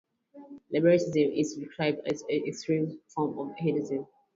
Libertinism is described as an extreme form of hedonism.